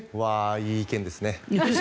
いい意見ですね。